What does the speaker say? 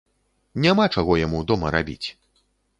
Няма чаго яму дома рабіць.